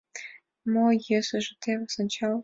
Мо йӧсыжӧ — тевыс, ончал!